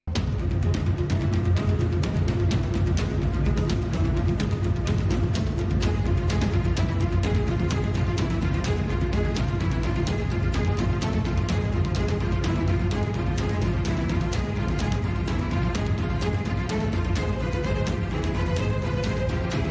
สวัสดีครับ